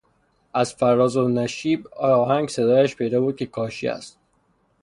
از فراز و نشیب آهنگ صدایش پیدا بود که کاشی است.